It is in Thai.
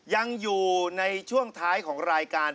ยังอยู่ในช่วงท้ายของรายการ